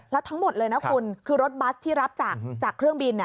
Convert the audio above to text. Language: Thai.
แล้วทั้งหมดเลยนะคุณคือรถบัสที่รับจากเครื่องบิน